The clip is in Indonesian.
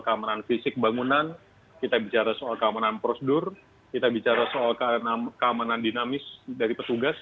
keamanan fisik bangunan kita bicara soal keamanan prosedur kita bicara soal keamanan dinamis dari petugas